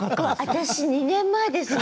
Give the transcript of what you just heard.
私２年前です